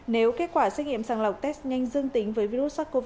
nếu kết quả xét nghiệm sàng lọc test nhanh dương tính với virus sars cov hai